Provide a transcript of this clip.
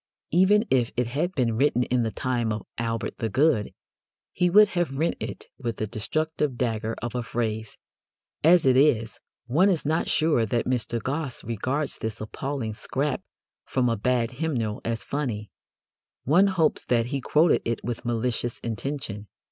Even if it had been written in the time of Albert the Good, he would have rent it with the destructive dagger of a phrase. As it is, one is not sure that Mr. Gosse regards this appalling scrap from a bad hymnal as funny. One hopes that he quoted it with malicious intention.